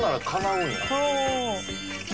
「うん」